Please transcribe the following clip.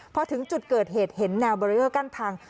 พอถึงจุดเกิดเหตุเห็นแนวเบอร์เรอร์กั้นทาง